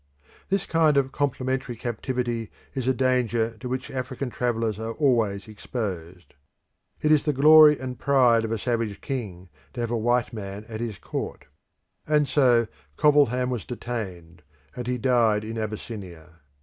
This kind of complimentary captivity is a danger to which African travellers are always exposed. It is the glory and pride of a savage king to have a white man at his court. And so Covilham was detained, and he died in Abyssinia.